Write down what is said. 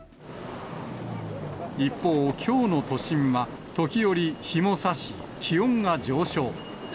一方、きょうの都心は、時折、日もさし、気温が上昇。